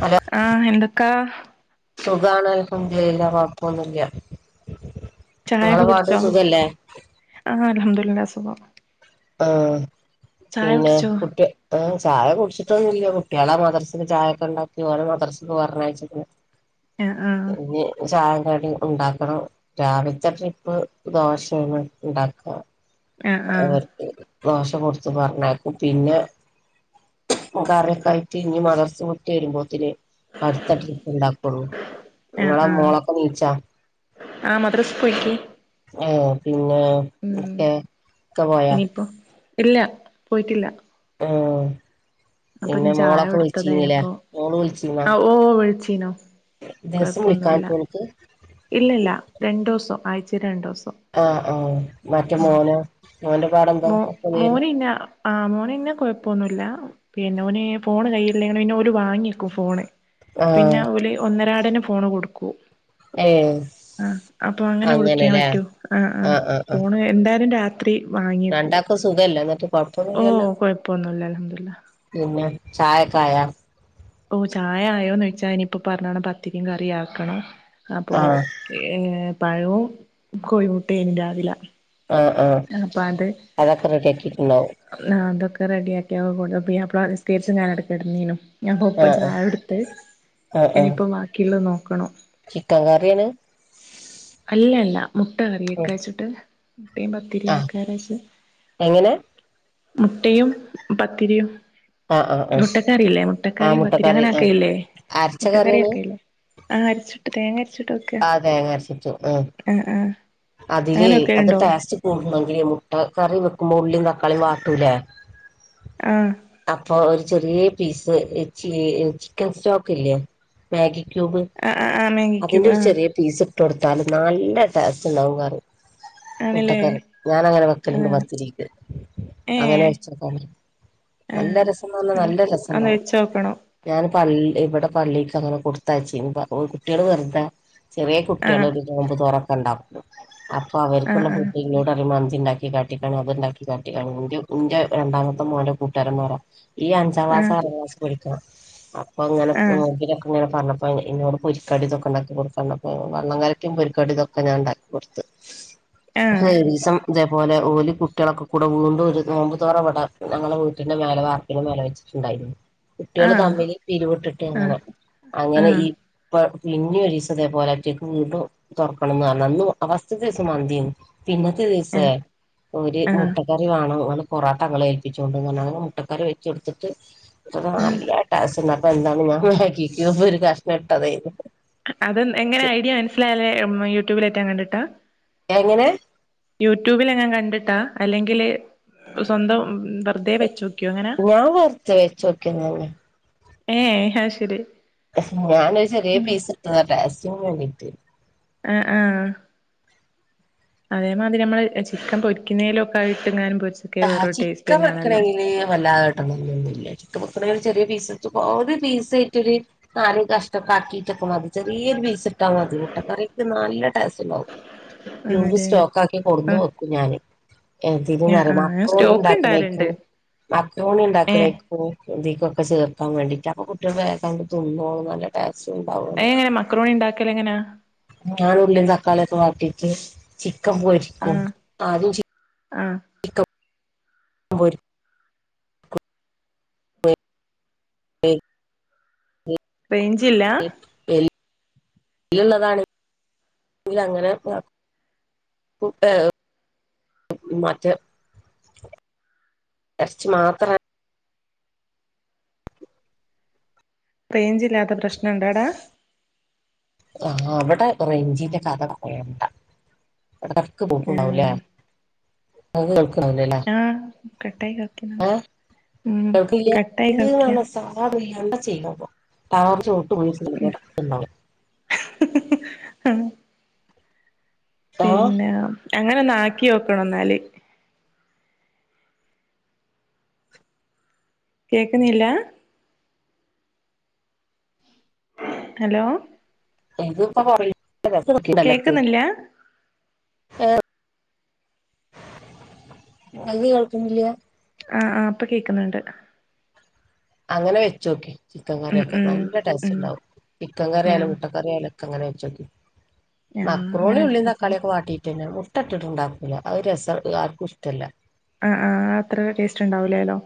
Hello ആഹ് എന്തൊക്കാ എന്റെയ്ലില്ല പഴക്കൊന്നുമില്ല നിങ്ങളെ ചായൊക്കെ പാട്ട് കുടിച്ചോ സുഖല്ലേ ലില്ല സുഖം ആഹ് ചായ പിന്നെ കുടിച്ചോ കുട്ടി ആഹ് ചായ കുടിച്ചിട്ടൊന്നുമില്ല കുട്ടികളെ മദർസയിൽ ചായയൊക്കെ ഉണ്ടാക്കി ഓരെ മദർസക്ക് പറഞ്ഞയച്ചിക്കണ് ആഹ് പിന്നെ ചായ കടി ഉണ്ടാക്കണം രാവിലത്തെ ട്രിപ്പ് ദോശയാണ് ഉണ്ടാക്കുക അ അ ദോശ കൊടുത്ത് പറഞ്ഞയക്കും പിന്നെ കറിയൊക്കെ ആയിട്ട് ഇഞ്ഞ് മദർസ വിട്ട് വരുമ്പോത്തിന് അടുത്ത ട്രിപ്പ് ഉണ്ടാക്കുള്ളൂ നിങ്ങളെ ആഹ് ആഹ് മോളൊക്കെ എണിച്ചാ ആഹ് മദ്രസ് പോയിക്ക് ഏഹ് പിന്നെ ഉം ഒക്കെ ഇക്ക പോയാ ഇനിയിപ്പോ ഇല്ല പോയിട്ടില്ല ആഹ് അപ്പൊ പിന്നെ മോളൊക്കെ വിളിച്ചിന്നില്ലേ മോള് വിളി ആ ഓ ഒഴിച്ചീനോ ദിവസം കൊഴപ്പൊന്നുല്ല വിളിക്കാഞ്ഞിട്ടോ ഓൻക്ക് ഇല്ലില്ല രണ്ടുവസം ആഴ്ച്ചേ രണ്ടുസം അ അ മറ്റേ മോനോ മോ മോരിന്ന ആ മോനിന്നെ കൊഴപ്പൊന്നുല്ല പിന്നെ ഓന് ഫോണ് കയ്യില്ലെങ്കില് പിന്നെ ഓല് വാങ്ങി ക്കും ഫോണ് പിന്നെ ആഹ് ഓല് ഒന്നരാടനും ഫോണു കൊടുക്കൂ ഏഹ് ആ അപ്പൊ അങ്ങനെ വിളിക്കാൻ അങ്ങനെല്ലേ പറ്റൂ ആ ആ ആഹ് ആഹ് ആഹ് ഫോണ് എന്തായാലും രാത് ത്രി രണ്ടാക്കും സുഖെല്ലേ ഓ കൊഴപ്പൊന്നുല്ല ലംഹദുള്ള ചായക്കായ ഓ ചായ ആയോന്നോയ്ച്ചാ ഇനിയിപ്പോ പറഞ്ഞോണം പത്തിരിയും കറിം ആക്കണം അപ്പോ ആഹ് ഏ പഴോം കോഴിമുട്ടേം രാവിലെ ആ ആ അപ്പൊ അത് അതൊക്കെ റെഡിയാക്കിട്ടുണ്ടാവും റ്റൊ പുയാപ്ലപ്പാ നിസ്കരിച്ച് ഞാനവിടെ കെടന്നീനു ഞാൻ പോറത് ആഹ് ചായ കൊടുത്ത് ആഹ് ആഹ് ആഹ് ഇനിയിപ്പം ബാക്കിയിള്ളത് നോ ക്കണം ചിക്കൻ കറി ആണ് അല്ലല്ല മുട്ട ഉം കറിവെക്കാച്ചിട്ട് മുട്ടേം ആഹ് പത്തിരിയാക്കാരേച്ച് എങ്ങനെ മുട്ടയും പത്തിരിയും ആഹ് ആഹ് ആഹ് മുട്ടക്കറിയില്ലേ ആഹ് മുട്ടക്കറിയും പത്തിരിയും മുട്ടക്കറി അങ്ങനെ ആഹ് ആക്കലില്ലെ അരച്ച മുട്ടക്കറി കറിയാണ് വെക്കലില്ലേ ആ അരച്ചിട്ട് തേങ്ങ അരച്ചി ആ തേങ്ങ അരച്ചിട്ട് ആ ആ അതിലെ അങ്ങനെയൊക്കെ അത് ഉണ്ടോ ടേസ്റ്റ് കൂടണെങ്കില് മുട്ട കറി വെക്കുമ്പോ ഉള്ളിം തക്കാളീം വാട്ടൂലേ ആ അപ്പൊ ചെറിയ പീസ് ചിക്കൻ സ്റ്റോക്ക് ഇല്ലേ മാഗി ട്യൂബ് ആ ആ ആ മാഗി അതിന്റെ ക്യൂബ് ഒരു ആ ചെറിയ പീസ് കൊടുത്താലും നല്ല ടേസ്റ്റു ണ്ടാവും കറി ആണല്ലേ മുട്ടക്കറി ഞാനങ്ങനെ ആ വെക്കലുണ്ട് പത്തിരിക്ക് ഏ അങ്ങനെ വെച്ച ആ നല്ല രസംന്ന് പറഞ്ഞാ അല്ല നല്ല ഒന്ന് രസണ്ടാവും വെച്ച് നോക്കണം ഞാന് പ ഇവിടെ പള്ളിക്ക് അങ്ങനെ കൊടുത്തയച്ചീന് അപ്പോ കുട്ടികള് പറഞ്ഞിട്ടാ ചെറിയ ആ കുട്ടികള് ഒരു നോമ്പ് തുറ ക്കണ്ടാ അപ്പൊ ആ അവർക്കുള്ള ആ [unintelligible] ണ്ടാക്കി കാട്ടിക്കാണ് അത് ഉണ്ടാക്കി കാട്ടിക്കാണ് ന്റെ ന്റെ രണ്ടാമത്തെ മോന്റെ കൂട്ടുകാരന്മാരാ ഈ ആ അഞ്ചാക്ലാസാ ആറാം ആ ക്ലാസ് പഠിക്ക അ അപ്പൊങ്ങനെ ആ [unintelligible] പർഞ്ഞ പ്പ ഇ ഇന്നോട് പൊരിക്കടി തൊക്കെ ഉണ്ടാക്കി കൊടുക്കാന്നർഞ്ഞപ്പൊ വള്ള കലക്കിം പൊരിക്കടിം ഇതൊക്കെ ഞാൻ ണ്ടാക്ക കൊട്ത്ത് ആ ഒരീസം ജെ പോലെ ഓലി കുട്ട്യേളൊക്കെ കൂടെ വീണ്ടും ഒരു നോമ്പ്തോറ വടെ ഞങ്ങളെ വീട്ടിന്റെ മേലെ വാർപ്പിന്റെ മേലെ വെച്ചിട്ടുണ്ടായിരുന്നു ആ കുട്ടികള് ആ തമ്മില് പിരിവിട്ടിട്ട് അങ്ങനെ ആ അങ്ങനെ ഈപ്പ പിന്നീ ഒരീസം ഇതേപോലെ ഒറ്റയ്ക്ക് വീണ്ടും തുറക്കണന്നർഞ് അ ഫസ്റ്റ്തീസം മന്ധ്യേനി പിന്നത്തെ ദിവസേ ഒരു ആ മുട്ട കറി വേണം പൊറാട്ടങ്ങള് ഏൽപ്പിച്ചോണ്ട്ന്ന് പർഞ്ഞാണ്ട് അങ്ങനെ മുട്ടക്കറി വെചൊട്ത്തിട്ട് [unintelligible] നെട്ടതേ അത് എങ്ങനെ ഐഡിയ മനസ്സിലായലേ യൂട്യൂബിലേറ്റം കണ്ടിട്ട എങ്ങനെ യൂട്യൂബിലെങ്ങാൻ കണ്ടിട്ടാ അല്ലെങ്കില് സ്വന്തം വെറുതെ വെച്ചോക്കിയോ അങ്ങനെ ഞാൻ വെർതെ വെച്ചോക്ക്യതന്നെ ഏ ഹാ ശരി നാനൊരു ചെറ്യേ പീസ് ആഹ് ടേസ്റ്റിന് വേണ്ടിട്ട് ആ ആ അതേമാതിരി നമ്മള് ചിക്കൻ പൊരിക്കുന്നേലൊക്കെ ആയിട്ട്ങ്ങാനും പൊ ഹ ഹാ ചിക്കൻ വെക്കണെങ്കിനെ വല്ലാതെ ഇട്ണിണൊന്നില്ലട്ടോ [unintelligible] ചെറിയ പീസ്ട്ത്ക്കോ ഒരു പീസായിട്ടൊര് നാല് കഷ്ണൊക്കെ ആക്കിട്ടൊക്കെ മതി ചെറ്യേരു പീസ് ച്ട്ടാ മതി മുട്ട കറിക്ക് നല്ല ആസ്റ്റ്ണ്ടാവും ട്യൂബ് ആണല്ലേ സ്റ്റോക്ക് ആക്കി ആഹ് കൊട്ന്ന് വെക്കും ഞാന് [unintelligible] ആഹ് ആഹ് ഞാൻ സ്റ്റോക്ക് ഇണ്ടാവല്ണ്ട് ണിണ്ടാക്ക്ണേക്കും മക്രുണി ഏഹ് ണ്ടാക്ക്ണേക്കും തികൊക്കെ ചേർത്ത മതി വേണ്ടിട്ട്പ്പ കുട്ട്യേള് വേഗണ്ട് തിന്നോളും നല്ല ടേ സുണ്ടാവൊള്ളു അതെങ്ങനെ മക്രോണി ഇണ്ടാക്കലെങ്ങനാ ഞാൻ ഉള്ളീം തക്കാളിയൊക്കെ വാട്ടി ചെ ചിക് ക്കൻ പോരിക്കും ആദ്യം ചിക് ആഹ വ ശ േഞ്ചില്ല ള്ളതാണ് അങ്ങനെ മറ്റേ ഇറച്ച മാത്ര റേഞ്ച് ഇില്ലാത്ത പ്രശ്നം ഇണ്ടാടാ ആ അവിടെ റെഞ്ജിന്റെ കഥ പറയണ്ട ടക്ക് പോൊക്കണ്ടാവൂലേ ആഹ് അ കേൾക്കാവല്ലല്ല കെട്ടായി കക്കുന്നുണ്ട് ന സാധാ പിണ്ട ചെയ ത ആഹ ആ പിന്നെ അങ്ങനെ ഒന്ന് ആാക്കിോക്കണ എന്നാല് കേക്കുന്നില്ല ഹലോ എത് ഇപ്പൊ പററയുംൂ ക്ക് കേക്കുന്നില്ല ഏ അ കേഴക്കുന്നില്ല ആഹ ആ അപ്പൊ കേക്കുന്നുണ്ട് അങ്ങനെ വെച്ചോക്കെ ചിക്കൻ ഉം കറിയൊക്കെ ഉം നല്ല ടേസ്റ്റ് ഉം ഉണ്ടാവും ചിക്കൻ കറിയാലും ആഹ് മുട്ട കറിയാലും അങ്ങനെ വെച്ചോക്കെ ആഹ് അങ്ങനെ നുറോളി ഉള്ളി വെച്ച് നോക്കണം തക്കാളിയൊക്കെ വാട്ടിയിട്ട് ഇട്ട്ടിട്ട് ഇണ്ടാകൂല അത് രസം ആർക്കും ഇഷ്ടമല്ല ആ ആ അത്ര ടേസ്റ്റ് ഉണ്ടാവൂലേല്ലോ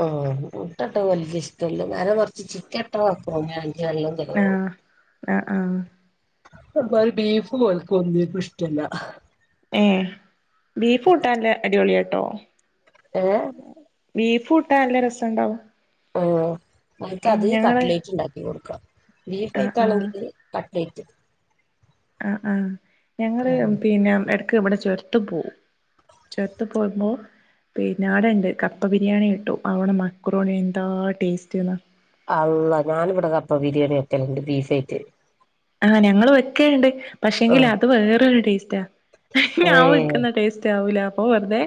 ഓ മുട്ട ഇട്ട ഓർക്ക് ഇഷ്ടല്ല നേരെ മറിച്ച് ചിക്കൻ ഇട്ട കുഴപ്പൊന്നുമില്ല ആ ആ ആ അ ഒരു ബീഫും പോലക്കും ഒന്നിനു ഇഷ്ടല്ല ആഹ് ബീഫ് കൂട്ടാൻല്ലേ അടിപൊളിയ കേട്ടോ ആ ബീഫ് കൂട്ടാൻ നല്ല രസമുണ്ടാവും ആ നമക്ക്ത് കട്ലേറ്റ് ഉണ്ടാക്കി കൊടുക്കാം ബീഫ് ആഹ് കഴിക്കാണെങ്കിൽ ട്ലേറ്റ് ആ ആഹ് ഞങ്ങള് പിന്നെ എട ക്ക് ഇവിടെ ചുരത്ത് പോവും ചുരത്ത് പോകുമ്പോ പിന്നെ അവിടെ ഉണ്ട് കപ്പ ബിരിയാണി കിട്ടും അവിടെ മക്രോണി എന്താ ടേസ്റ്റ്ന്നാ അള്ളാ ഞാനിവിടെ കപ്പ ബിരിയാണി വെക്കെൽണ്ട് ബീഫേറ്റ് ആഹ് ഞങ്ങള് വെക്കേണ്ട് പക്ഷെങ്കിൽ ആഹ് അത് വേറൊരു ടേസ്റ്റാ ഞാൻ ഏഹ് വെക്കുന്ന ടേസ്റ്റ് ആവൂല അപ്പോ വെറുതെ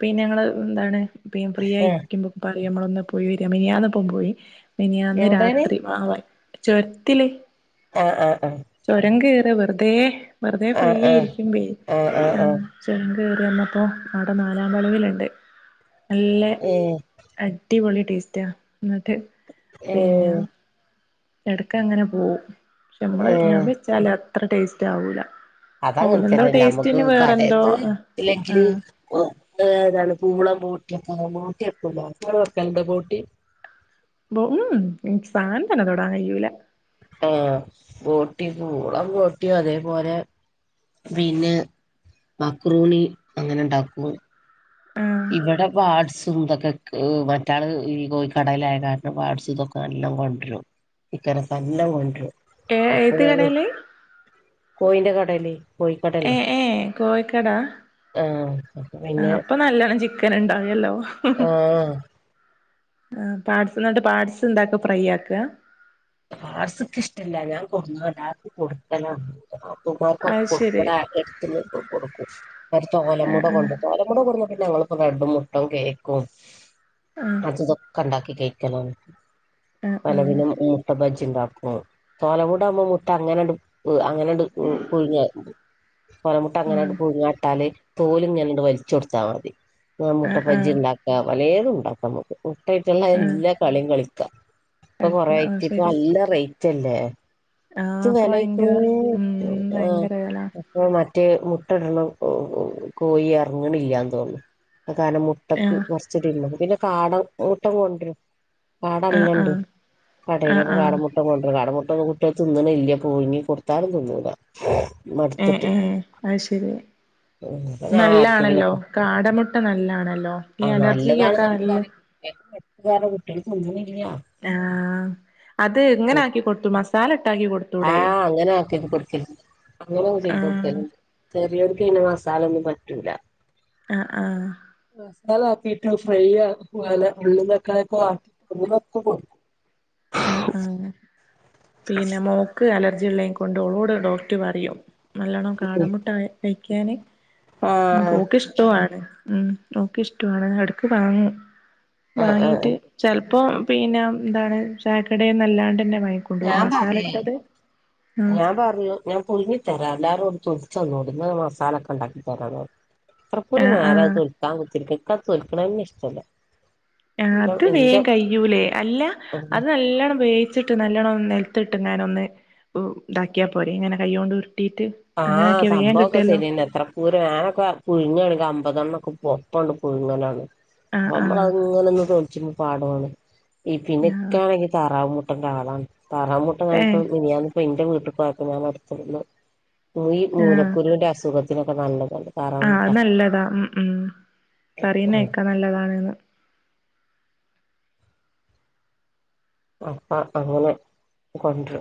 പിന്നെ ഞങ്ങള് എന്താണ് പേയും ആഹ് ഫ്രീയായിക്കുമ്പോ [unintelligible] നമ്മള് ഒന്ന് പോയി വര മിനിയാന്ന്പ്പം പോയി മിനിയാന്ന് എവിടേണ് രാത്രി [unintelligible] ചൊര്ത്തില് ആഹ് ആഹ് ചുരം കേ റ വെറുതെ വെറുതെ ഫ്രീ ആഹ് ആഹ് ആയിരിക്കുമ്പെ ആഹ് ആഹ് ആഹ് ആ ആഹ് ചൊരം കേറി വന്നപ്പോ അവ്ട നാലാം വളവിലുണ്ട് നല്ലെ ഏഹ് അടിപൊളി ടേസ്റ്റാ എന്നിട്ട് പിന്നെ ഏഹ് എടക്ക് അങ്ങനെ പോവും പക്ഷെ ഞമ്മള് ഞാൻ വെച്ചാല ത്ര ടേസ്റ്റ് ആവൂല ഓലെന്തോ അതങ്ങൻതന്നെല്ല നമക്ക് ടേസ്റ്റിന് വേറെന്തോ കടയത്ത് ആ ആ ഇല്ലെങ്കില് ഏതാണ് പൂളം [unintelligible] ബോട്ടി വെക്കൂലേ [unintelligible] വെക്കൽണ്ടോ ബോട്ടി ബൊ ഊഉം ഇൻക്ക് സാനം തന്നെ തൊടാൻ കയ്യൂല ഏ ബോട്ടി പൂളം ബോട്ടിയും അതേപോലെ പിന്നെ മക്രൂണി അങ്ങനെണ്ടാക്കും ആ ഇവടെ പാട്സും ഇതൊക്കെ ക് മറ്റാള് ഈ കോയി കടേലായ കാരണം പാട്സ് ഇതൊക്കെ നല്ലം കൊണ്ട്രും [unintelligible] തന്നെ കൊണ്ടൊരു ഏ ഏത്തി കടേല് കോയിന്റെ കടേല് ഏ കോയിക്കടല്ലേ ഏ കോഴിക്കട ആ അപ്പ ആ പിന്നെ അപ്പൊ നല്ലോണം ചിക്കൻ ഇണ്ടായല്ലോ ആഹ് ആ പാട്സ് ഇന്നട്ട് പാട്സ് എന്താക്ക ഫ്രൈ ആക്കാ പാട്സ്ക്ക് ഇഷ്ടല്ല ഞാൻ കൊട്ന്നു എല്ലാർക്കും കൊടുക്കലാന്ന് ആപ്പമാർക്കൊക്കെ അത് കൊട്ക്കും ശരി ഇബടെ എട്ത്ത് ഇള്ളോൽകൊക്കെ കൊടുക്കും കൊർച്ച് [unintelligible] ആ കൊണ്ടു ആ [unintelligible] കൊടുന്ന ഞങ്ങളിപ്പൊ ബ്രഡ്ഡും മുട്ടും കേക്കും ആ അതുതൊക്കണ്ടാക്കി ഇകേക്കണോന്ന് ആ ആ പലവിനും ഉ ബജിണ്ടാക്കൂ തോല കൂടാവുമ്പോ മുട്ട അങ്ങനെടു വ് അങ്ങനെണ്ട് വ് കുഴിഞ്ഞ കോലമുട്ട ആ അങ്ങനായിട്ട് പുഴ്ങ്ങ്യാട്ടാല് തോലും ഞന്ട് വലിച്ചൊടുത്താ മതി ആ മുട്ടപ്പജ്ജി ഇണ്ടാക്കാ വലേ ത് ഉണ്ടാക്കാമ്മക്ക് ഉം [unintelligible] ആ എല്ലാ കളീം കളിക്കും [unintelligible] ഇപ്പൊ ഓക്കെ കൊറേ ആയി ആ ഇപ്പ ശരി നല്ല റേയി ചെല്ലേ ആ ച്ച് അപ്പൊ വെലയ്ക്കൂ ഭയങ്കര ഉം ഏഹ് ആഹ് ഭയങ്കര വില അപ്പ മറ്റേ മു ട്ടടണ ഓഹ് കോയി എറങ്ങണില്ല്യാന്ന് തോന്നു അഹ് കാരണം ആ മുട്ടക്ക് കൊറച്ചൊരു [unintelligible] പിന്നെ കാട മുട്ട കൊണ്ടൊരും ആ ആ കാടല്ലണ്ട് ആ കടയിലപ്പോ ആ വേറെ മുട്ട കൊണ്ട് [unintelligible] കാട മു ട്ടോ മുട്ട തിന്നണില്ല്യാ പുഴുങ്ങി കൊടുത്താലും തിന്നൂലാ. ഏഹ് ഏഹ് ഐയ് ശെരി അപ്പൊ ഞാൻ നല്ലാണല്ലോ ആർക്കെങ്കിലൊക്കെ കാട മുട്ട നല്ലാണല്ലോ, ഈ ആഹ് നല്ലതാണ് അലർജികൊക്കെ ന്നർഞ്ഞിട്ട് നല്ല കാര്യല്ല കുട്ട്യാക്ക് മടുപ്പ് [unintelligible] ആഹ് അത് ഇങ്ങനെ ആക്കി കൊടുത്തു മസാല ഇട്ടാക്കി കൊടുത്തൂടെ ആഹ് അങ്ങനെ ആക്കി കൊടുക്ക് അങ്ങനൊന്ന് ആ ചെയ്ത് കൊടുക്കരുണ്ട് [unintelligible] ഇവർക്ക് പിന്നെ മസാല ഒന്നും പറ്റൂല. ആഹ് ആഹ് ബീറ്റ് ഫ്രൈ പോല [unintelligible] കൊടുക് ആഹ് ആഹ് പീന മോക്ക് അല ജിലേം കൊണ്ട് ഓളോട് ഡോക്ടർ പറയും നല്ലോണ്ണം കാടമുട്ട ക കയി ക്കാനി ഉം ആഹ് പോക്കിഷ്ടാണ് ഉം ഒക്കെഇഷ്ടമാണ് ഇടക്ക് വാങ്ങും ആഹ് ആഹ് വാങ്ങീട്ട് ചെലപ് ഇപ്പൊ പിന്നെ എന്താണ് ചായക്കടേന്നല്ലാണ്ടന്നെ കൊണ്ട് ഒരു ഞാൻ മസാല പറയേ ഇട്ടത് ഉം ഞാൻ പറഞ്ഞു ഞാൻ പുഴുങ്ങി തരാ എല്ലാരോടും ചന്നോ മസാലക്കെ ഉണ്ടാക്കി തരാന്ന് പറഞ്ഞു അത്രക്ക ഒരു ആഹ് നേരം അത് ആഹ് തൊൽക്കാൻ പറ്റിരിക്ക [unintelligible] അന്നെൻ ഇഷ്ടല്ല അത് ഇന്റെ വേയം കഴിയ്യൂലേ അല്ല അത് നല്ലോണം വേയിച്ചിട്ട് നല്ലോണ്ണം നെൽ ത്തിട്ടിങ്ങാനൊന്ന് ഇതാക്കിയൽ പോരെ ഇങ്ങനെ കൈൊണ്ട് ഉരുട് ആ സംഭവമൊക്കെ ശരി അന്നെ എത്ര പൂരം നൊക്കെ കുഴിഞ്ഞു കെടക്കുവാ അപ്പതന്നൊക്കെ [unintelligible] പോയിങ്ങനാണ് ആഹ് ആഹ് നമ്മളങ്ങനൊന്നും ചോദിച്ചി പാടുവാണ് ഈ ആഹ് പിനുക്കാണെങ്കി താറാവുമു ന്റാളാണ് താറമുട്ട ഏഹ് വാങ്ങിയപ്പം മിനിയാന്നിപ്പം എനിക്ക് വീട്ടി പോയപ്പം ഞാൻ മടുത്തിരുന്നു ഈ മൂലക്കുരുവിന്റെ അസുഖം ഇതൊക്കെ നല്ലതല്ലെ ആ അതല്ലതാ ഉം ഉം പറയുന്നേക്കാ നല്ലതാണന്ന് അപ്പ അങ്ങനെ കൊണ്ട്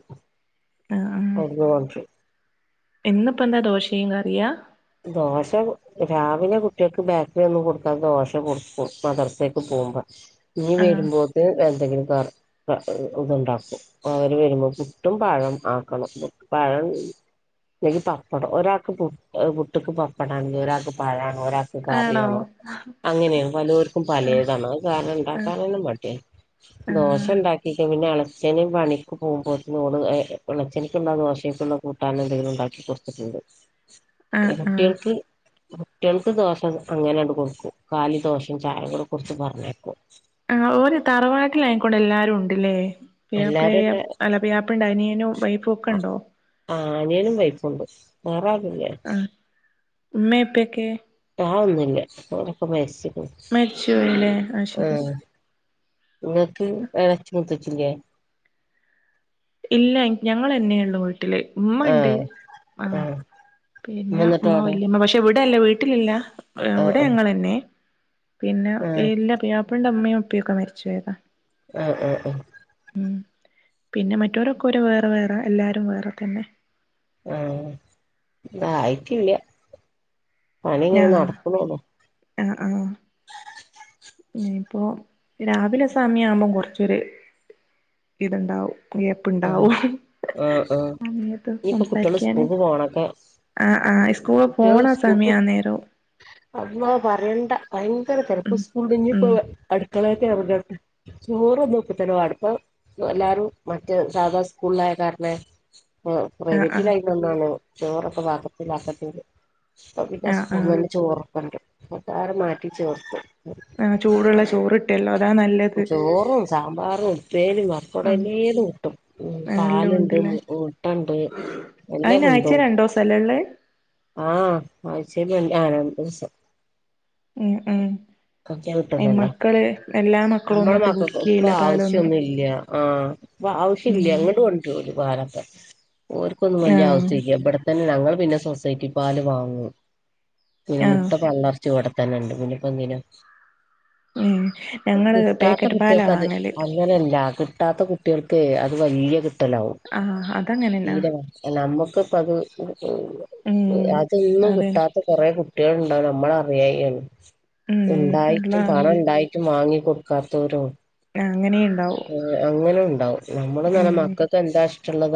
അക്കമാക്ഷ [unintelligible] ഇന്ന്പ്പോ എന്താ ദോശയും കറിയാ ദോശ രാവിലെ കുട്ട്യാക് ബേക്കറിയൊന്നും കൊട്ക്കാതെ ദോശ കൊട്കും മദ്രസേക് പോവുമ്പം ഇഞ് ആഹ് വെരുമ്പോക്ക് എന്തെങ്കിലും കറ് ഇതുണ്ടാക്കും അവര് വരുമ്പോ പുട്ടും പഴം ആക്കണം പഴം ല്ലെങ്കിൽ പപ്പടം ഒരാൾക്ക് പുട് പുട്ട്ക്ക് പപ്പടാണെങ്കി ഒരാൾക്ക് പാഴണ് ഒരാക്ക് ആണോ കാറിയണം അങ്ങനേണ് പലോർക്കും പലേതാണ് അത് കാരണം ഇണ്ടാക്കാനെന്നെ മട്യാണ് ആഹ് ദോശ ഉണ്ടാക്കിക്ക പിന്നെ ഏള ച്ചന് പണിക്ക് പോവുമ്പോത്തിനോള് എളച്ചൻക്ള്ള ദോശേക്ക്ള്ള കൂട്ടാനെന്തങ്കിലും ഇണ്ടാക്കി കൊട്ത്ത്ട്ട്ണ്ട് ആഹ് ആഹ് കുട്ട്യേൾക്ക് കുട്ട്യേൾക്ക് ദോശ അങ്ങനെയാണ്ട് കൊടുക്കും കാലി ദോശിം ചായ കൂടെ കൊട്ത്ത് പർഞ്ഞേക്കും ആ ഓര് തറവാട്ട്ലായനെക്കൊണ്ട് എല്ലാരും ഇണ്ട്ല്ലേ എല്ലാരുംല്ല പ്യുയ്യാപ്ലേം അല്ല പുയ്യാപ്ലൻ്റനിയനും വൈഫും ഒക്കണ്ടോ അനിയനും വൈഫുണ്ട് വേറാര് രൂല്ല്യ. ഇമ്മേം ഇപ്പെയൊക്കെ? ആവൊന്നുല്ല ഓലൊക്കെ മര്ച്ച് മരിച്ച് പോയില്ലേ ആ ശരി ഇങ്ങക്ക് എളച്ചിം മൂത്തചിം ഇല്ലേ ഇല്ല ഞങ്ങളെന്നേള്ളൂ വീ ട്ടില് ഇമ്മ ഇണ്ട് ആഹ് ആ ആഹ് ഉമ്മ പിന്നെ എന്നിട്ട് ഇമ്മ അവിടെ വല്ല്യമ്മ പക്ഷെ വീട് ഇവിടെല്ല വീട്ട്ലില്ല ഇവാടെ ആഹ് ഞങ്ങളെന്നെ. പിന്നെ ആഹ് ഇല്ല പുയ്യാപ്ലന്റെ ഇമ്മയൂം ഇപ്പിയൊക്കെ മരിച്ചോയതാ ആ ആ ആ മ്മ് പിന്നെ മറ്റ് മറ്റോരൊക്കേ ഓരെ വേറെ വേറെ എല്ലാരും വേറെ തന്നെ. ആ ഇതായിട്ടില്ല. പണിങ്ങനെ നടക്ക്ണോള്ളു. ആ ആ ഇനിയിപ്പോ രാവിലെ സമയാവുമ്പോം കൊർച്ചൊര് ഇത്ണ്ടാവും. ആഹ് ഗ്യാപ്പ്ണ്ടാവും ആഹ് ആഹ് ആ സമയത്ത് ഇനിയിപ്പോ കുട്ടികള് സംസാരിക്യാന് സ്കൂൾക്ക് പോണൊക്കെ ആ ആ സ്കൂള് കുട്ടികൾ പോണ സ്കൂൾക്ക് സമയാന്നേരവും അള്ളാ പറയണ്ട ഭയങ്കര ചെലപ്പോ സ്കൂള്ല്ലെ ഞ് പ്പോ അടുക്കളേകെറങ്ങ ചോറൊന്നും ഇപ്പതന്നെ വാട ഇപ്പം എല്ലാരും മറ്റ് മറ്റേ സാധാ സ്കൂള്ലായ കാരണെ പ്പൊ ആഹ് ആഹ് പ്രൈവറ്റിലായതികൊണ്ടാണ് ചോറൊക്കെ ഭാക്കത്തിലാക്കത്തി ഇപ്പൊ പിന്നെ ആഹ് സ്‌കൂൾന്ന് ആഹ് വരുമ്പോ ചോറപ്പണ്ട്. കൊട്ടാര മാറ്റി ചേർത്തു ആ ചൂടുള്ള ചോറി ട്ടില്ല ചോറും സാമ്പാറും ഉപ്പേരി ഉം മറത്തോടല്ലേത് കിട്ടും ആ എല്ലാം പാലുണ്ട് ഉണ്ടല്ലേ മുട്ടുണ്ട് എല്ലാം അയിന് ആഴ്ച കൊന്തുണ്ട് രണ്ടോസല്ലേ ഉള്ളേ ആഹ് ആഴ്ചെൽ ര ആ രണ്ട് ദിവസം ഉം ഉം ട്ടല്ല മക്കള് എല്ലാ മക്കളും നമ്മളെ ഒന്നിട്ട് മക്കക്ക് ഇപ്പൊ കുടിക്കുകയില്ല പാലൊന്നും ആവശ്യംന്നുംല്ല ആ ഇപ്പ ഉം ആവശ്യല്ല ഇങ്ങോട് കൊണ്ടു പോല വാലക്ക ഓർക്കൊന്നും വലിയ ആഹ് ആവശ്യം ഇില്ല ഇവിടെത്തന്നെ ഞങ്ങൾ പിന്നെ സൊ സൈറ്റി പാല് വാങ്ങൂ. പിന്നെ മുട്ട ആഹ് കള്ളർച്ചു കൊട ുണ്ട് പിന്നെപ്പ എന്തിനും ഉം ഞങ്ങള് കിട്ടാത്ത പാക്കറ്റ് പാലാ കുട്ടികൾക്ക അത് വാങ്ങല് അങ്ങനെയല്ല കിട്ടാത്ത കു ഇട്ട അഥവാ ഈക ലാവും ആഹ് അതങ്ങനെന്നാ തീര അ നമ്മുക്ക് ഇപ്പ അത് ഉം അതൊന്നും അതെ കിട്ടാത്ത കൊറെ കുട്ടികൾ നമ്മളറിയായിാണ് ഉം അല്ല ഉണ്ടായിട്ടും പണം അങ്ങ ഉണ്ടായിട്ടും വാങ്ങിൊടു കാത്തൂരു അങ്ങനെയുണ്ടാവും അങ്ങനെ ഉണ്ടാവും നമ്മള് നല്ല ഉം മക്കൾക്ക് എന്താ ചത